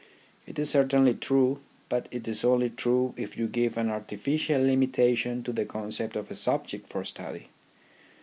It is certainly true, but it is only true if you give an artificial limitation to the concept of a subject for study.